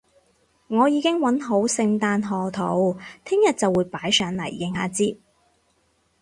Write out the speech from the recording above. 我已經搵好聖誕賀圖，聽日就會擺上嚟應下節